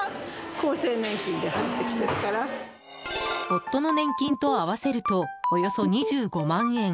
夫の年金と合わせるとおよそ２５万円。